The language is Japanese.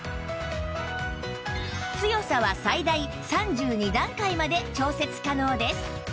強さは最大３２段階まで調節可能です